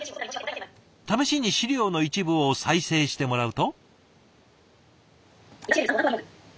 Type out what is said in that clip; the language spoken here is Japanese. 試しに資料の一部を再生してもらうと。